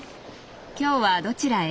今日はどちらへ？